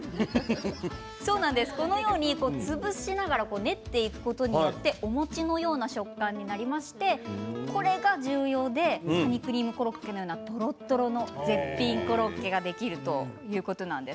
このように潰しながら練っていくことによってお餅のような食感になりましてこれが重要でカニクリームコロッケのようなとろとろの絶品コロッケができるということなんです。